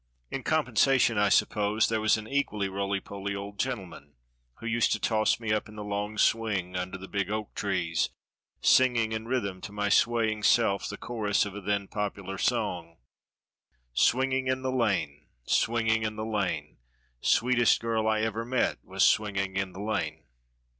In compensation, I suppose, there was an equally roly poly old gentleman who used to toss me up in the long swing under the big oak trees, singing in rhythm to my swaying self the chorus of a then popular song: Swinging in the lane; swinging in the lane; Sweetest girl I ever met was swinging in the lane.